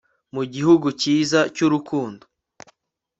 Mu gihugu cyiza cyurukundo